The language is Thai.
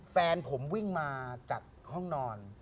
แฟนผมวิ่งมาจากห้องนอน